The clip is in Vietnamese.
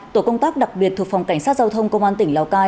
tổ công tác đặc biệt thuộc phòng cảnh sát giao thông công an tỉnh lào cai